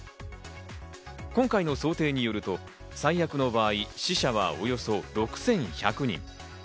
今回の想定によると、最悪の場合、死者はおよそ６１００人。